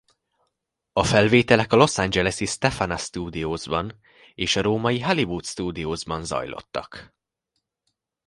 A felvételek a Los Angeles-i Stefana Studiosban és a római Hollywood Studiosban zajlottak.